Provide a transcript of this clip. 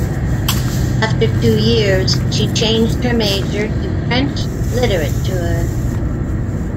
After two years she changed her major to French literature.